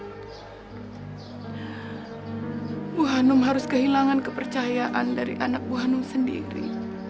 hai buhanum harus kehilangan kepercayaan dari anak buhanum sendiri